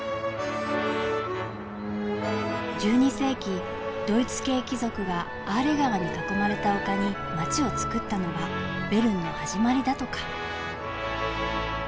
１２世紀ドイツ系貴族がアーレ川に囲まれた丘に街を造ったのがベルンの始まりだとか。